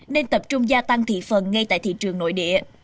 nên tập trung gia tăng thị phần ngay tại thị trường nội địa